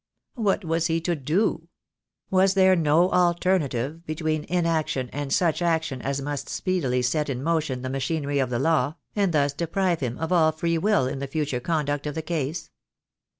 What was he to do? Was there no alternative between inaction and such action as must speedily set in motion the machinery of the law, and thus deprive him of all free will in the future conduct of the case?